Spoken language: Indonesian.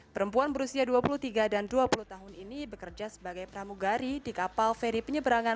perempuan berusia dua puluh tiga dan dua puluh tahun ini bekerja sebagai pramugari di kapal feri penyeberangan